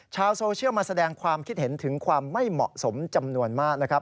ชาวโซเชียลมาแสดงความคิดเห็นถึงความไม่เหมาะสมจำนวนมากนะครับ